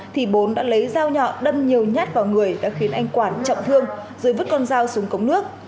thì bốn đã lấy dao nhọn đâm nhiều nhát vào người đã khiến anh quản trọng thương rồi vứt con dao xuống cống nước